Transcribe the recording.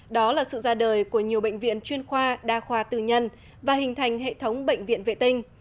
đó là sự ra đời của nhiều bệnh viện chuyên khoa đa khoa tư nhân và hình thành hệ thống bệnh viện vệ tinh